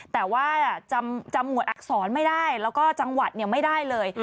แต่ว่าจำหมวดอักษรไม่ได้แล้วก็จังหวัดไม่ได้เลย